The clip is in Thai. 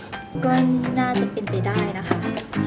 ก็น่าจะเป็นไปได้นะคะ